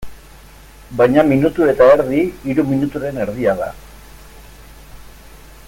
Baina minutu eta erdi, hiru minuturen erdia da.